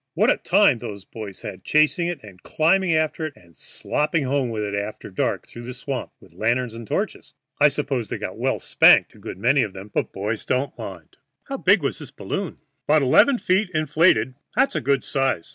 What a time those boys had chasing it and climbing after it and slopping home with it after dark through the swamp, with lanterns and torches! I suppose they got well spanked, a good many of them, but boys don't mind." "How big was this balloon?" "About eleven feet high, inflated; that's a good size.